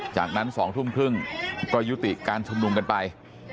จากนั้น๒ทุ่มครึ่งก็ยุติการชุมนุมกันไป